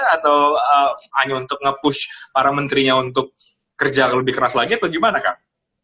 atau hanya untuk nge push para menterinya untuk kerja lebih keras lagi atau gimana kang